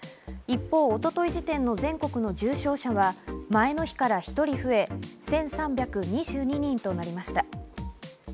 一方、一昨日時点の全国の重症者は前の日から１人増え１３２２人となりました。